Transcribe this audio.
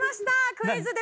クイズです。